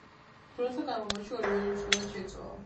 დროთა განმავლობაში ორივე ენა მნიშვნელოვნად შეიცვალა.